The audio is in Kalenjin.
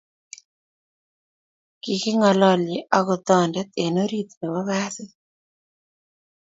kigingololye ako toondet eng orit nebo basit